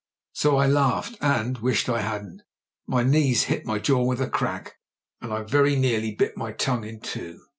So I laughed, and — ^wished I hadn't. My knees hit my jaw with a crack, and I very nearly bit my tongue in two.